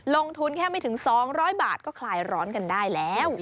ลงทุนแค่ไม่ถึง๒๐๐บาทก็คลายร้อนกันได้แล้ว